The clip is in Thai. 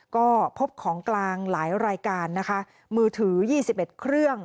ก็พบของกลางหลายรายการนะคะมือถือยี่สิบเอ็ดเครื่อง